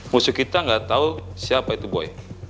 musuh kita gak tau siapa itu boy